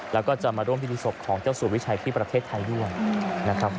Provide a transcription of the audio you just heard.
แล้วก็จะมาร่วมพิธีศพของเจ้าสู่วิชัยที่ประเทศไทยด้วยนะครับ